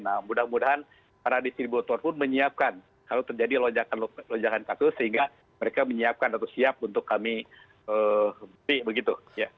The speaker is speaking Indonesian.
nah mudah mudahan para distributor pun menyiapkan kalau terjadi lonjakan kasus sehingga mereka menyiapkan atau siap untuk kami beli begitu